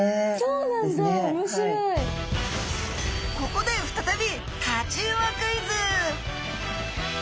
ここで再びタチウオクイズ！